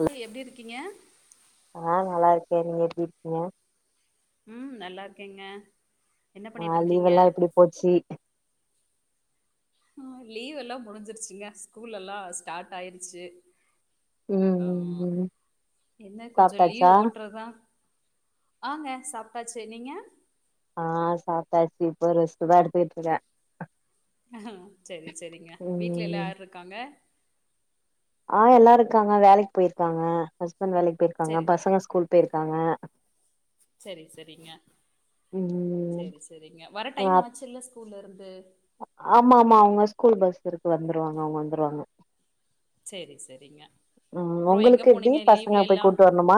Hello எப்டி இருக்கீங்க ஆ நல்லாருக்கே நீங்க எப்டி இருக்கீங்க ம் நல்லாருக்கேங்க ஆ லீவ் எல்லா எப்டி போச்சி ஆ லீவு எல்லா முடிஞ்சிருச்சிங்க ஸ்கூல் எல்லா ஸ்டார்ட் ஆயிருச்சி ம் ஆ ம் ம் என்ன கொஞ்ச சாப்ட்டாச்சா லீவ் ஓட்டுறதுதா ஆங்க சாப்டாச்சி நீங்க ஆ சாப்டாச்சு இப்போ ரெஸ்ட் தா எடுத்துக்கிட்டு இருக்க ஆ செரி செரிங்க வீட்டு்ல எல்லா ம் யார் இருக்காங்க ஆ எல்லாருக்காங்க வேலைக்கு போயிருக்காங்க ஹஸ்பண்ட் வேலைக்கு போயிருக்காங்க செரி பசங்க ஸ்கூல் போயிருக்காங்க சேரி சேரிங்க ம் சேரி சேரிங்க வர டைம் அப் ஆச்சுல்ல ஸ்கூல இருந்து ஆமா ஆமா அவுங்க ஸ்கூல் பஸ் இருக்கு வந்துருவாங்க அவூங்க வந்துரு வாங்க சேரி சேரிங்க ம் அப்றோ எங்க உங்களுக்கு எப்டி போனீங்க பசங்க லீவ்ல போய் எல்லா கூட்டு வரணுமா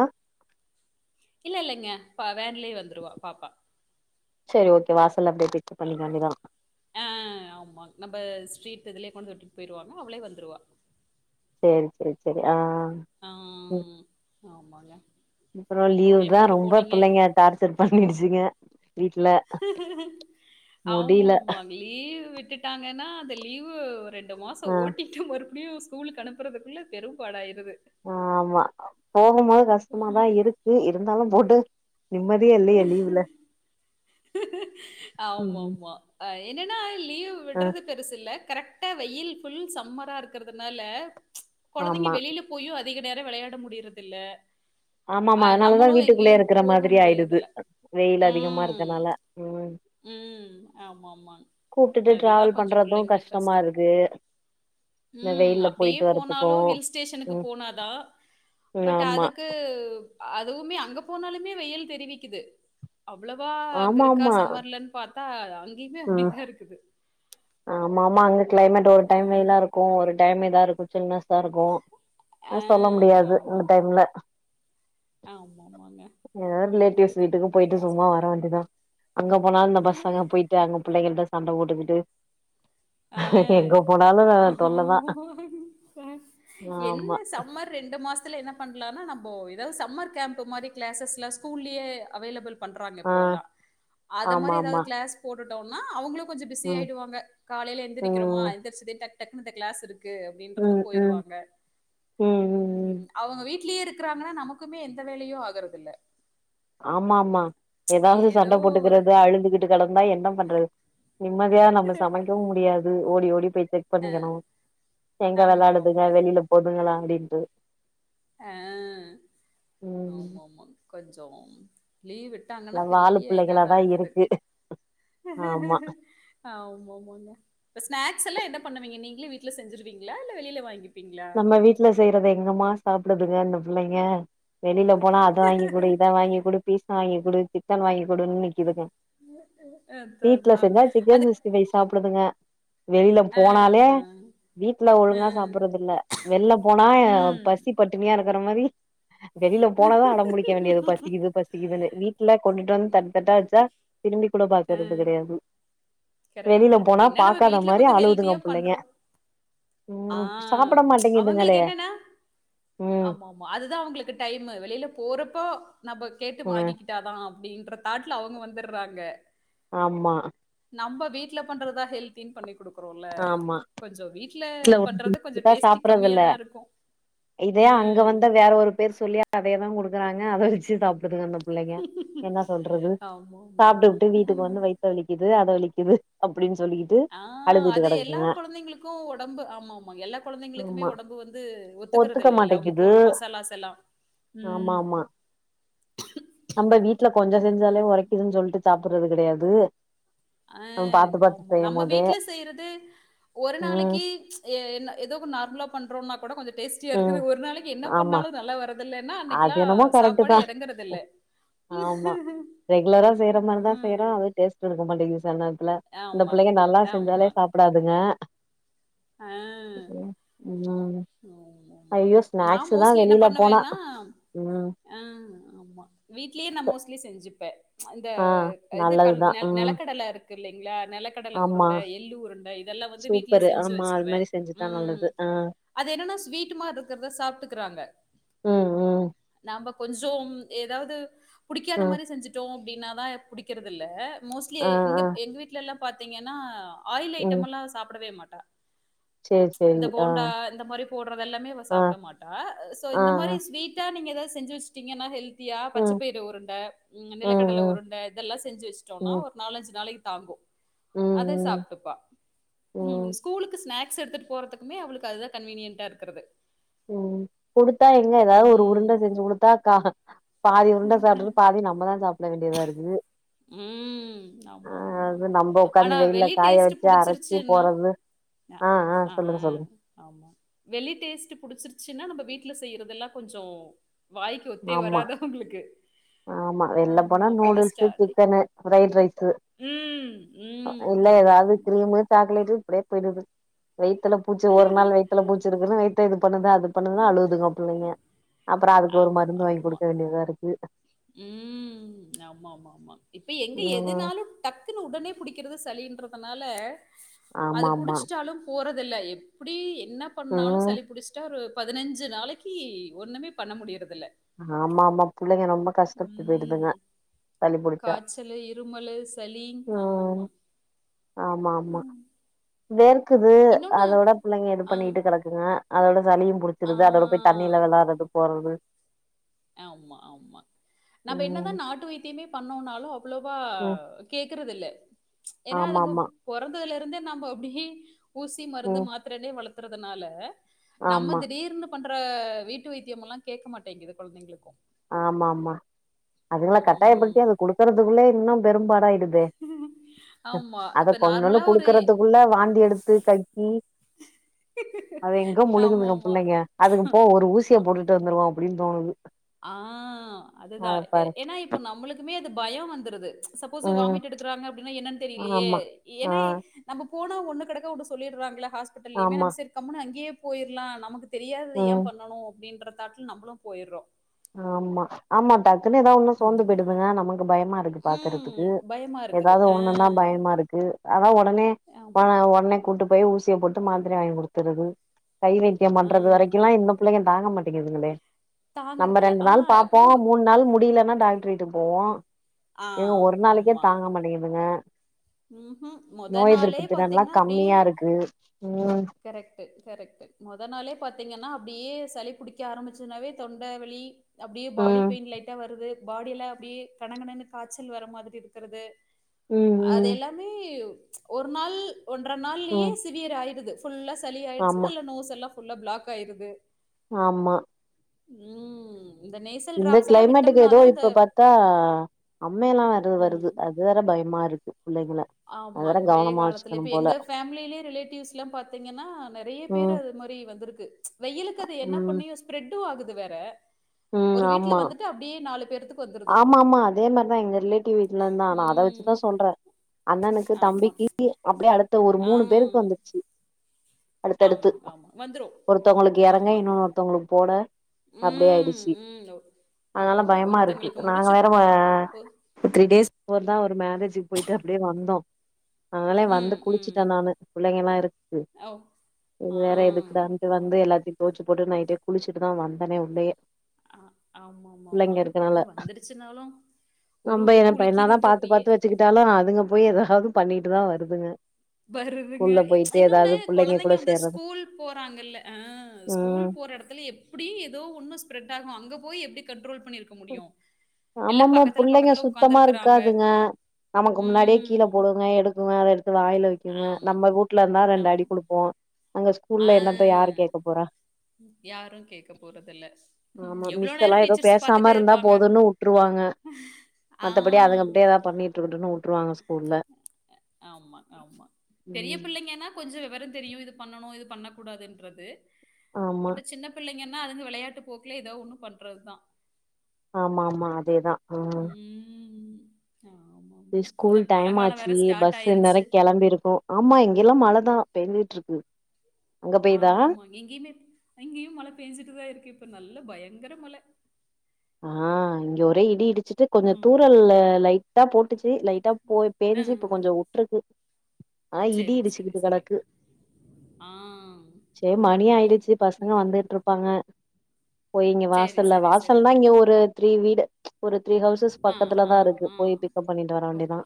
இல்ல இல்லைங்க பா வேன்லயே வந்துடுவா பாப்பா சேரி ஓகே வாசல்லயே அப்டியே பிக்கப் பண்ணிக்க வேண்டிதா ஆ ஆ ஆ ஆமா நம்ம ஸ்ட்ரீட் இதுலே கொண்டு விட்டுட்டு போயிடுவாங்க அவளே வந்துடுவா சேரி சைரி சேரி ஆ ஆ ம் ஆமாங்க. அப்றோ அப்புறம் லீவ் தா எங்க ரொம்ப போனீங்க? பிள்ளைங்க டார்ச்சர் பண்ணிருச்சுங்க ஆமா முடில ஆமா லீவ் விட்டுட்டாங்கன்னா அந்த லீவு ரெண்டு மாச ஆ ஓட்டி மறுபடியு ஸ்கூலுக்கு அனுப்புறதுக்குள்ள பெரும்பாடு ஆயிருது ஆ ஆமா போகும்போது கஷ்டமாதா இருக்கு இருந்தாலு போட்டு நிம்மதியா இரு ஆமா ம் ஆமா ஆ என்னன்னா லீவ் ஆ விட்றது பெருசுல்ல கரெக்ட் டா வெயில் ஃபுல் சம்மரா இருக்கறதுனால கொழந்தைங்க ஆமா வெளியில போயு அதிக நேரோ விளையாட முடியறது இல்ல ஆமா ஆமா அதனாலதா வீட்டுக்குள்ளயே இருக்கற போக மாதிரி ஆயிடுது முடியறதில்ல. வெயில் அதிகமா ம். இருக்கனால ம் ம் ஆமா ஆமா கூப்ட்டுட்டு அதுதா டிராவல் கொஞ்சோ பண்றது பிள்ளைங்களுக்கு கஷ்டமா கஷ்டோ இருக்கு இந்த ம் வெயில்ல அப்டியே போயிட்டு வரதுக்கு போனாலு ஹில் ஸ்டேஷனுக்கு ம் போனாதா ம் பட் ஆமா அதுக்கு அதுவுமே அங்க போனாலுமே வெயில் தெரிவிக்குது அவ்வளவா அங்க இருக்கா ஆமாமா இல்லன்னு பாத்தா அங்கேயுமே அப்டிதா இருக்குது ஆமா ஆமா அங்க கிளைமேட் ஒரு டைம் ம். வெயிலா இருக்கு ஒரு டைம் இதா இருக்கு சில்னெஸ் இதா இருக்கு ஆ சொல்ல முடியாது அந்த டைம்ல ஆமா ஆமாங்க எதாது ரிலேட்டிவ்ஸ் வீட்டுக்கு போயிட்டு சும்மா வர வேண்டியதா அங்க போனாலு இந்த பசங்க போய் ட்டு அங்க பிள்ளைங்கள்ட சண்ட போட்டுகிட்டு ஆ ஆ தொல்லதா ஆமாங் என்ன ஆமா சம்மர் ரெண்டு மாசத்துல என்ன பண்ணலான்னா நம்போ ஏதாது சம்மர் கேம்ப்பு மாரி கிளாஸஸ்ல ஸ்கூல்லயே அவைலபிள் பண்றாங்க ஆ இப்போல்லா அத ஆமா மாரி ஏதாது ஆமா கிளாஸ் போட்டுட்டோன்னா அவைங்களு கொஞ்சோ பிஸி ம் ஆயிடுவாங்க காலையில எந்திரிக்கிறோமா ம் எந்திரிச்சிட்டு டக் டக்குனு இந்த கிளாஸ் இருக்கு அப்டின்றது ம் ம் போயிருவாங்க ம் அவுங்க வீட்லயே இருக்கறாங்கன்னா நமக்குமே எந்த வேலையு ஆகுறதில்ல ஆமா ஆமா ஏதாது ஏதோ சண்ட ஒரு போட்டுக்கறது அழுதுகிட்டு கெடந்தா என்ன பண்றது நிம்மதியா நம்ம சமைக்கவு முடியாது ஓடி ஓடி போயிட்டு பண்ணிக்கணு எங்க ஆமா ஆமா வெளாடுதுங்க வெளியில போதுங்களா அப்டின்ட்டு ஆ ம் ஆமா ஆமா கொஞ்சம் லீவ் டாங்கனா எல்லா வாலு பெரிய இதாதா புள்ளைங்களாதா இருக்குது இருக்கு ஆமா ஆ ஆமா ஆமாங்க இப்ப ஸ்னாக்ஸ் எல்லா என்ன பண்ணுவீங்க நீங்ளே வீட்ல செஞ்சிருவீங்ளா இல்ல வெளில வாங்கிப் நம்ம வீட்ல செய்றத எங்கமா சாப்டுதுங்க இந்த பிள்ளைங்க வெளில போனா அத வாங்கி குடு இத வாங்கி குடு பீஸா வாங்கி குடு சிக்கன் வாங்கி குடுன் நிக்குதுங்க அதான் வீட்ல அதான். செஞ்சா சிக்கன் அது சிக்ஸ்டிஃபை சாப்டுதுங்க வெளில ஆ, போனாலே ஆ, வீட்ல ஆ. ஒழுங்கா சாப்பறதில்ல வெள்ல போனா எ ம். பசி பட்டினியா இருக்குற மாரி வெளில போனாதா அடம்புடிக்க வேண்டியது பசிக்குது பசிக்குதுன்னு வீட்ல கொண்டுட்டு வந் தட்தட்டா வச்சா திரும்பி கூட ஆ. பாக்கறது கெடையாது கரெக்ட், வெளில கரெக்ட். போனா என்ன நம்ம பாக்காத வீட்ல மாரி கொஞ்சம் அழுகுதுங்க ஹெல்த்தியா புள்ளைங்க பண்றோம். ஆ ம் சாப்பட மாட்டேங்குதுங்களே அவங்களுக்கு என்னனா ம் ஆமாம் மா அதுதா அவுங்களுக்கு டைமு வெளில போறப்போ நம்ப கேட்டு ம் வாங்கிகிட் டாதா அப்டின்ற தாட்ல அவுங்க வந்துர்றாங்க ஆமா நம்ப வீட்ல பண்றதா ஹெல்தின் பண்ணி குடுக்குறோல கொஞ்சோ வீட்ல ட்ல ஒன்னு பண்றது கொஞ்சம் குடுத்தா டேஸ்டி கம்மியா சாப்றதுல்ல தான் இருக்கும். அ. இதைய அங்க வந்தா வேற ஒரு பேர் சொல்லியா அதயேதா குடுக்குறாங்க அத வச்சு சாப்டுதுங்க அந்த புள்ளைங்க என்ன சொல்றது ஆமா, ஆமா, ஆமா. சாப்ட்டுகிட்டு வீ ட்டுக்கு வந்து வைத்த வலிக்குது அது வலிக்குது அப்டின் சொல்லி ஆ அது எல்லா கொழந்தைங்ளுக்கு ஒடம்பு ஆமாம்மா எல்லா கொழந்தைங்ளுக்குமே ஆமா ஒடம்பு வந்து ஒத்துக்க ஒத்துக்கறதில்லேல அவுங்க மாட்டேங்குது போட்ற மசாலாஸ் எல்லா ம் நம்ப வீட்ல கொஞ்சோ செஞ்சாலே ஆமாமா. ஒரைக்குதுன் சொல்ட்டு சாப்புறது கெடையாது அ நம்ம பாத்து பாத்து ஆமா செய்யும் நம்ம போதே வீட்ல செய்றது ஒரு ம் நாளைக்கு எ என்ன எதோ கொன் நார்ம்லா பண்றோனா கூட கொஞ்ச டேஸ்டியா இருக்குது ம் ஒரு நாளைக்கு என்ன ஆமா பண்ணாலு நல்லா வரதில்லனா அது அன்னைக்லா என்னமோ கரெக்ட் சாப்பாடே தா எறங்கறதில்ல ஆமா ரெகுலரா செய்ற மாரிதா செய்றோ ம். அது டேஸ்ட் இருக்க மாட்டேங்குது சிலநேர் த்ல இந்த ஆமாங்க. பிள்ளைங்க நல்லா செஞ்சாலே ஆமா. சாப் புடாதுங்க ம் ம் [unintelligible] ஆமாம்மா ஐயோ நா ஸ்நாக்ஸ் தா மோஸ்லி என்ன வெளில போனா பண்ணுவேனா ம் ஆ ஆமா வீட்லே நா மோஸ்லி செஞ்சுப்பே அந்த ஆ இது கல் நல்லதுதா நெல் ம் நெலக்கடல இருக்கு இல்லைங்ளா நெலக் கடல ஆமா உருண்ட எள்ளு உருண்ட இதெல்லா வந்து வீட்லே சூப்பரு செஞ்சு ஆமா அது வச்சிருவே மாரி செஞ்சுதா ம் நல்லது ஆ அது என்னனா ஸ்வீட்டுமார் இருக்கற்த சாப்ட்டுகிறாங்க ம் ம் நம்ப கொஞ்சோம் எதாவ்து புடிக்காத ம் மாரி செஞ்சு ட்டோ அப்டினாதா புடிக்கிறதுல்ல மோஸ்ட்லி ஆ இங்க ஆ எங்க வீட்லெல்லா பாத்தீங்கனா ஆயில் ஐட்டமுலா சாப்டவே மாட்டா சேர் சேரி ஆ இந்த மாரி போட்றதெல்லாமே அவ ஆ சாப்ட மாட்டா சோ ஆ ஆ இந்த மாரி ஸ்வீட்டா நீங்க எதாது செஞ்சு வஸ்டீங்கனா ஹெல் தியா ம் பச்சப்பய்று உருண்ட ம்ங்க ம் நிலக்கடல ம் உருண்ட இதெல்லா செஞ்சு வஸ்ட்டோனா ம் ஒர் நாலஞ்சு நாளைக்கு தாங்கு அத ம் ம் சாப்ட்டுப்பா ம் ஸ்கூலுக்கு ஸ்நாக்ஸ் எடுத்துட்டு போறதுக்குமே அவளுக்கு அதுதா கன்வீனியன்ட்டா இருக்குறது ம் குடுத்தா எங்க எதாவ்து ஒரு ம். உருண்ட செஞ்சு குடுத்தா காக பாதி உருண்டை சாப்ட்டுருகு பாதி நம்மதா சாப்ட வேண்டியதா இருக்கு ம் ஆமாம்மாம்மா நம்ம உக்காந்து ஆனா வெயில வெளி காய டேஸ்ட்டு வச்சு அரைச்சி புடிச்சிருச்சுன்னா போறது னா ஆ ஆமா வெளி டேஸ்ட்டு புடிச்சிருச்சின்னா நம்ப வீட்டுல செய்யறதெல்லா கொஞ்சோ வாய்க்கு ஒத்தே ஆமா வராது அவுங்களுக்கு ஆமா கொஞ்சோ ஸ்டாடிங் சன்னு ரைட் ரைட்டு ம். இல்ல ஏதாவ்து ஆமாமாமா. கிரீமு சாக்லேட்டு இப்டியே போய்டுது வயித்துல பூச்சி ஒரு நாள் வயித்துல பூச்சி இருக்குன்னு வயத்த இது பண்ணுது அது பண்ணதுன்னா அழுகுதுங்க பிள்ளைங்க அப்றோ அதுக்கு ஒரு மருந்து வாங்கி குடுக்க வேண்டியதா இருக்கு ம் ஆமா ஆமா ஆமா இப்ப எங்க ம் எதுனாலு டக்குன்னு உடனே புடிக்கிறது சளின்றதுனால அது ஆமா ஆமா புடிச்சிட்டாலு போறதில்ல எப்டி என்ன பண்ணாலு ம் சளி புடிச்சிட்டா ஒரு பதினஞ்சு நாளைக்கி ஒண்ணுமே பண்ண முடியறதில்ல ஆமா ஆமா புள்ளைங்க ரொம்ப கஷ்டப்பட்டு போயிருதுங்க காச்சலு இருமலு சளி ஆமா ம் ம்மா ஆமா ஆமா வேர்க்குது இன்னொன்னு அதோட புள்ளைங்க எது ஆ, பண்ணிட்டு கெடக்கு ங்க அதோட சளியு ஆ. புடிச்சிருது அதோட போய் தண்ணியில வெளாறது போறது ஆமா ஆமா நம்ம என்னதா ம் நாட்டு வைத்தியமே பண்ணோம்னாலு அவ்ளோவா ம் கேக்குறது இல்ல ஏன்னா ஆமா அதுங்க ஆமா பொறந்ததுல இருந்தே நம்ப அப்டியே ஊசி மருந்து ம் மாத் திரைலே வளத்துறதனால நம்ம ஆமா திடீர்னு பண்ற வீட்டு வைத்திய எல்லா கேட்க மாட்டேங்குது கொழந்தைங்களுக்கு ஆமா ஆமா அதுங்கல்லா கட்டாயப்படுத்தி உம் அது குடுக்குறதுக்குள்ளே இன்னோ பெரும்பாட ஆயிடுது ஆமா அத இப்ப கொஞ்சோன்னு நார்மலா ஒரு குடுக்கறதுக்குள்ள வாந்தி எடுத்து கக்கி அத எங்க ஆமா முழுங்குதுங்க ஆமா புள்ளைங்க அதுக்கு போ ஒரு ஊசிய ஆஹா. போட்டுட்டு வந்துருவோ அப்டின்னு தோணுது ஆ அதுதா அத எ பாரு ஏன்னா இப்போ நம்மளுக்குமே அது பயோ வந்துருது சப்போஸ்ஸு ம் வாமிட் எடுக்குறாங்க அப்டின்னா என்னன்னு தெரியிலயே ஆமா ஆ ஏன்னா நம்ம போனா ஒன்னு கடக்க ஒன்னு சொல்லிடுறாங்களா ஹாஸ்பிடல்லேயுமே ஆமா நம்ம செரி கம்முன்னு அங்கேயே போயிர்லா நமக்கு தெரியாதது ம் ஏன் பண்ணணு அப்டின்ற தாட்ல நம்பளு போயிறோ ஆமா ஆமா டக்குனு ஏதாதொன்னா சோந்து ஆமா போயிடுதுங்க நமக்கு பயமா இருக் [inaudible] ம் பாக்குறதுக்கு பயமா இருக்குது. ஏதாவ்து ஆ ஒண்ணுன்னா பயமா இருக் க்கு அதா ஒடனே அ ஆமா. ஒடனே கூட்டு போய் ஊசிய போட்டு மாத்திரை வாங்கி குடுத்துறது கைவேத்தியோ ஆ பண்றது வரைக்குல்லா இந்த பிள்ளைங்க தாங்க மாட்டேங்குதுங்களே நம்ம தாங்கறதுல ரெண்டு ஆ நாள் பாப்போ அப்படியே நம்ப மூண் நாள் முடியிலன்னா டாக்டர் கிட்ட போவோ ஆ எங்க ஒரு நாளைக்கே தாங்க மாட்டங்குதுங்க ம்ஹும் மொத நாளே திறன்லா பாத்தீங்கன்னா அப்டி கம்மியா இருக்கு ம் கரெக்டு கரெக்டு மொத நாளே பாத்தீங்கன்னா அப்டியே சளி புடிக்க ஆரம்பிச்சுனாவே தொண்ட வலி அப்டியே பாடி ம் பெயின் லைட்டா வருது பாடியெல்லா அப்டியே கண கணன்னு காய்ச்சல் வர மாதிரி இருக்கறது ம் அது ம் எல்லாமே ஒரு நாள் ஒன்றர நாள்லியே ம் சிவியர் ஆயிடுது ஃபுல்லா சளி ஆயிடுச்சு ஆமா நல்ல நோஸ் எல்லா ஃபுல்லா பிளாக் ஆயிருது ஆமா ம் இந்த நேசல் இந்த டிராப்ஸ் எல்லாம் கிளைமேட்டுக்கு விட்டோம்னா ஏதோ தான் அந்த இப்ப பாத்தா அம்மை எல்லா வருது வருது ம். அ துவேற பயமாருக்கு புள்ளைங்க ஆமாங்க வெய்ய காலத்துல இப்ப எங்க ஃபேமிலேயே ரிலேட்டிவ்ஸ்ல்லா பாத்தீங்கன்னா நெறைய பேரு ம் அது மாரி வந்திருக் கு வெய்யிலுக்கு அது என்ன ம் பண்ணியு ஸ்ப்ரெட்டு ஆகுது வேற ம் ஒரு வீட்ல ஆமா வந்துட்டு அப்டியே பேர்த்துக்கு வந்துருது. ஆமா ஆமா அதே மாரிதா எங்க ரிலேட்டிவ் வீட்டுல இருந்தா நா அத ம். வச்சுதா சொல்ற அண்ணனுக்கு ஆமா. தம்பிக்கு அப்டியே அடுத்த ஒரு ஆ. மூணு பேருக்கு வந்துச்சு அடுத்தடுத்து ஆமா, ஆமா. வந்துரும். ஒருத்தவங்களுக்கு இறங்க ஆமா. இன்னொன்னு ஒருத்தவங்களுக்கு போட அப்டியே ம், ஆயிடுச் ம். ஒ அதனால ஆமா. பயமா இருக்கு ஒருத்தங்களுக்கு நாங்க முடிச்சு வேற ஒ த்ரீ டேஸ் போற தா ஒரு மேரேஜுக்கு போயிட்டு அப்படியே வந்தோ அது நலே வந்து ம், ம். குளிச்சுட்டே நானு பிள்ளைங்க எல்லா இருக்கு ஓ! இது ஆ. வேற எதுக்குடான்ட்டு வந்து ஆமா. எல்லாத்தையு தொவைச்சு போட்டு நைட்டே குளிச்சுட்டு தா வந்தனே உள்ளையே ஆ ஆமா ஆமா ஆமா அது வந்துருச்சுனாலு ஒரு உலுக்கு உலிக்கிறது அப்படியே விட்டாலு அதுங்க போய் ஏதாவது பண்ணிட்டு தா வருதுங்க வருதுங்க ஸ்கூல்ல ம்சா போயிட்டு இன்னொன்னு எதாவது புள்ளைங்க கொழந்தைங்க கூட வந்து சேர்றது ஸ்கூல் போறாங்கல்ல ஆ ம் ஸ்கூல் போற எடத்துல எப்படியு ஏதோ ஒண்ணு ஸ்ப்ரெட் ஆகு அங்க போய் எப்படி கண்ட்ரோல் பண்ணிருக்க முடியு ஆம எல்லா ஆமா பக்கத்துல புள்ளைங்க பக்கத்துல சுத்தமா உக்காந்துருக்கறாங்க இருக்காதுங்க நமக்கு முன்னாடியே கீழே ம் போடுங்க எடு ங்க அத எடுத்து வாயில வைக்குங்க ஆமா நம்ம ஊட்டுல இருந்தா ரெண்டு அடி ஆமா கொடுப்போ அங்க ஆ ஸ்கூல்ல என்னத்த யாரு கேக்க போறா யாரு கேக்க போறதில்ல எவ்வளோ நேரோ டீச்சர்ஸ் பா பேசாமர்ந்தா போதுன்னு விட்டுருவாங்க ஆ மத்தபடி அதுங்க அப்டியே ஏதாவது பண்ணிட்டு இருக்கட்டுன்னு விட்ருவாங்க ஸ்கூல்ல ஆமா ஆமா பெரிய ம் புள்ளைங்கன்னா கொஞ்சு விவரம் தெரியு இது பண்ணணு இது பண்ணக்கூடாதுன்றது ஆமா பட் சின்ன பிள்ளைங்கன்னா அதுங்க விளையாட்டு போக்குல ஏதோ ஒண்ணு பண்றதுதா ஆமா ஆமா அதேதா ஆ ம் ஆமா ஆமா ஸ்கூல் இன்னும் மழை டைம் காலம் வேற ஆச்சு ஸ்டார்ட் பஸ்சு இன்நேரோ ஆயிருச்சு கெளம்பியிருக்கு ஆமா இங்கெல்லா மழைதா பெஞ்சிட்டு இருக்கு அங்க ஆ பெய்தா ஆமா ஆமா எங்கேயுமே அங்கேயு மழை பெஞ்சுட்டுதா இருக்கு இப்ப நல்ல பயங்கர மழ ஆ இங்க ஒரே இடி இடிச்சுட்டு கொஞ்சு ம் தூரல்ல லைட் ட்டா போட்டுச்சு லைட்டா போய் ஆ பேஞ்சு இப்ப கொஞ்சூ உட்டுருக்கு ஆ இடி சரி சரி இடிச்சிக்கிட்டு சரி கடக்கு ஆ சேரி அதான் மணி அதான் அதான் ஆயிடுச்சு பசங்க இங்கே வந்துட்டு இருப்பாங்க போயிங்க சரி வாசல்ல சரி வாசல்னா சரிங்க இங்க ஒரு த்ரீ வீடு ம்ச் ஒரு த்ரீ ஹவுசஸ் ஆ ஆ பக்கத்துலதா இருக்கு ஆ போய் பிக்அப் பண்ணிட்டு வர வேண்டியதுதா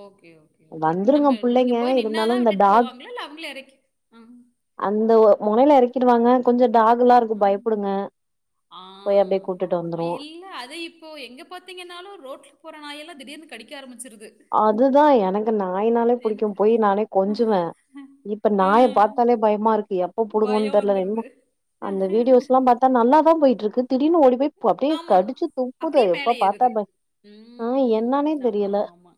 ஓக்கே ஓக்கே ஓக்கே வந்துருங்க நம்ம நீங்க புள்ளைங்க போய் நின்னாதா இருந்தாலு இந்த விட்டுட்டு டாக் போவாங்களா இல்ல அவங்களே எறக்கி ம் அந்த ஒரு முனையில இறக்கிடுவாங்க கொஞ்சு டாகு எல்லா இருக்கு ஆ பயப்படுங்க ஆ போய் அப்டியே கூட்டுட்டு ஆமா ஆமா வந்துரு இல்ல அதே இப் போ எங்க பாத்திங்கன்னாலு ரோட்டில போற நாயெல்லா திடீர்னு கடிக்க ஆரமிச்சடுது அதுதா எனக்கு நாயினாலே பிடிக்கு எனக்கு போய் நானே கொஞ்சுவே இப்ப அ நாய பாத்தாலே பயமா இருக்கு எப் புடுங்கன்னு பயம் தெரல வந்துருது. அந்த வீடியோஸ் எல்லா பாத்தா நல்லாதா போயிட்டு இருக்கு திடீனு ஓடி போய் ப்ப அப்படியே ஆமா. கடிச்சு துப்புது அப்படியே மேல எப்ப ஏறுது. பாத்தாப்ப ம் ஆமா ஆமா ஆமா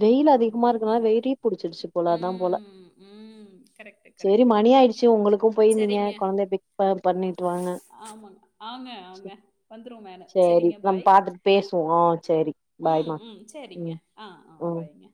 வெயில் அதிகமா இருக்குறதுனால வெறீ புடிச்சிருச்சு போல அத தா போல ம் ம் ம் கரெக்ட்டு கரெக்ட்டு சீ உங்களுக்கும் போயிருந்தீங்க சரிங்க. கொழந்தை பிக்கப் பண்ணி விட்டுறு வாங்க ஆமாங்க. ஆங்க, ஆங்க. வந்துரும் வேனு. செரி சரிங்க, நம்ம பாய். பாத்துட்டு பேசுவோ ஆ செரி ம், பாய்ம்மா ம். சரிங்க. ம் ஆ ஆ ம் பாய்ங்க